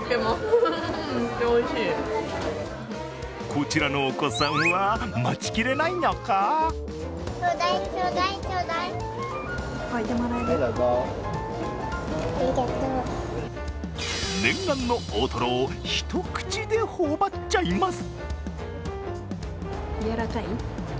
こちらのお子さんは待ちきれないのか念願の大トロを一口でほおばっちゃいます。